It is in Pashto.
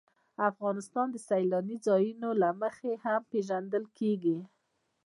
افغانستان د سیلاني ځایونو له مخې هم پېژندل کېږي.